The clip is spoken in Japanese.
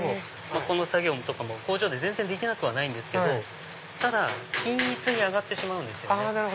この作業とかも工場で全然できなくはないんですけどただ均一に上がってしまうんですよね。